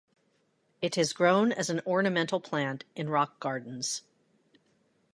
It is grown as an ornamental plant in rock gardens.